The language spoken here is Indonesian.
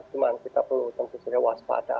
cuma kita perlu tentu saja waspada